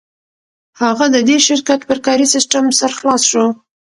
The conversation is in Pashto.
هغه د دې شرکت پر کاري سیسټم سر خلاص شو